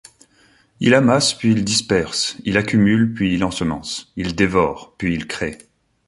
Il amasse, puis disperse, il accumule, puis ensemence ; il dévore, puis crée.